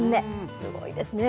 すごいですね。